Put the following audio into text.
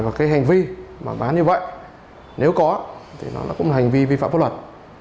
và cái hành vi mà bán như vậy nếu có thì nó cũng là hành vi vi phạm pháp luật